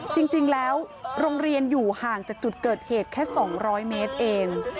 จริงแล้วโรงเรียนอยู่ห่างจากจุดเกิดเหตุแค่๒๐๐เมตรเอง